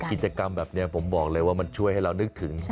กิจกรรมแบบนี้ผมบอกเลยว่ามันช่วยให้เรานึกถึง